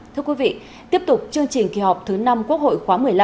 thưa quý vị tiếp tục chương trình kỳ họp thứ năm quốc hội khóa một mươi năm